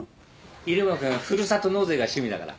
入間君ふるさと納税が趣味だから。